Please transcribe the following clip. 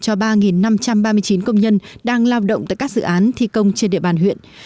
cho ba năm trăm ba mươi chín công nhân đang lao động tại các dự án thi công trên địa bàn huyện